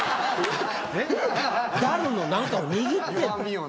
ダルの何かを握ってんの？